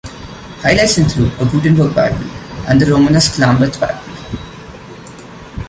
Highlights include a Gutenberg Bible and the Romanesque Lambeth Bible.